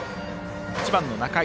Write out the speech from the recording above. １番の中井。